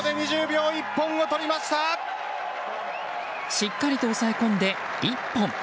しっかりと押さえ込んで、一本。